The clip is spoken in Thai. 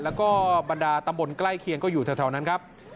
แล้วก็บรรดาตำบลใกล้เคียงก็อยู่แถวนั้นครับ